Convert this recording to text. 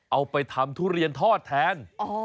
เอาไปทำทุเรียนทอดแทน